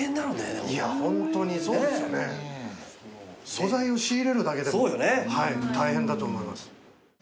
素材を仕入れるだけでも大変だと思います。